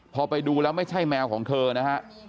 พอไปดูแล้วไม่ใช่แมวของเธอนะฮะ